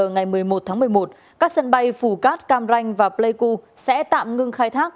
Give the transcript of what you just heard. ngày một mươi một tháng một mươi một các sân bay phù cát cam ranh và pleiku sẽ tạm ngưng khai thác